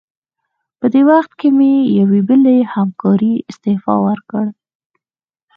په دې وخت کې مې یوې بلې همکارې استعفا ورکړه.